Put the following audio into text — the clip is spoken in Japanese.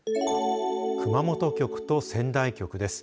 熊本局と仙台局です。